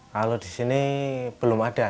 kalau di sini belum ada